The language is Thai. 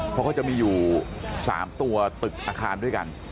เขาก็จะมีอยู่สามตัวตึกอาคารด้วยกัน